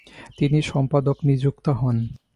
তিনি সম্পাদক নিযুক্ত হন।